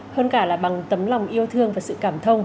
hơn cả là bằng tấm lòng yêu thương và sự cảm thông